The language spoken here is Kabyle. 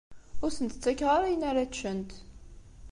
Ur sent-ttakeɣ ara ayen ara ččent.